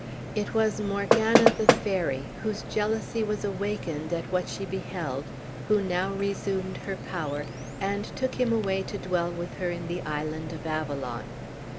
It was Morgana, the fairy, whose jealousy was awakened at what she beheld, who now resumed her power, and took him away to dwell with her in the island of Avalon.